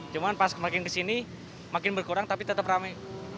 cuman pas makin kesini makin berkurang tapi tetap rame